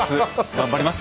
頑張ります